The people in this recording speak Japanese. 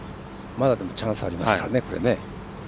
まだ、でもチャンスありますから。